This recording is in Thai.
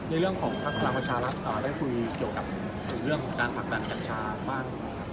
ในเรื่องของภาคภาคประชาลักษณะได้คุยเกี่ยวกับเรื่องของการผลักการจัดชาบ้าน